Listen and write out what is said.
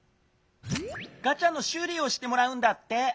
ガチャのしゅうりをしてもらうんだって。